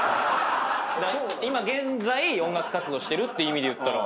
今現在音楽活動してるっていう意味で言ったら。